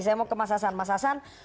saya mau ke masasan masasan